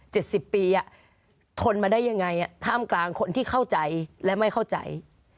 สิบปีอ่ะทนมาได้ยังไงท่ามกลางคนที่เข้าใจและไม่เข้าใจ